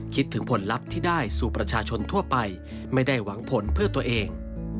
คิดถึงผลลัพธ์ที่ได้สู่ประชาชนทั่วไปไม่ได้หวังผลเพื่อตัวเอง